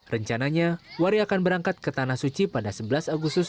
rencananya wari akan berangkat ke tanah suci pada sebelas agustus dua ribu enam belas